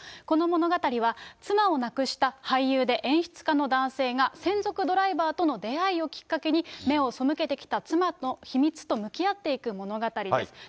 この物語は、妻を亡くした俳優で演出家の男性が、専属ドライバーとの出会いをきっかけに、目を背けてきた妻の秘密と向き合っていく物語です。